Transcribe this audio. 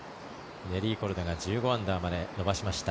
ネリー・コルダが１５アンダーまで伸ばしました。